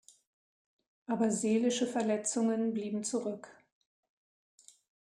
Aber seelische Verletzungen blieben zurück.